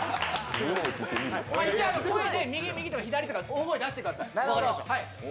一応、声で右右とか左とか大声出してください。